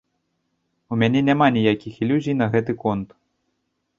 У мяне няма ніякіх ілюзій на гэты конт.